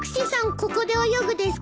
ここで泳ぐですか？